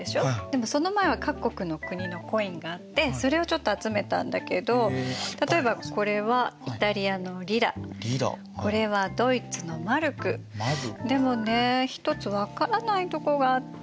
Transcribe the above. でもその前は各国の国のコインがあってそれをちょっと集めたんだけど例えばこれはこれはでもねひとつ分からないとこがあってほら。